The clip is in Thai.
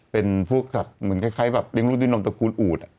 เป็นพวกสัตว์เหมือนคล้ายแบบเลี้ยงลูกด้วยนมตระกูลอูด